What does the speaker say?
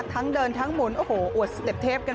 ทั้งเดินทั้งหมนโหอวดเสฤบเทพกัน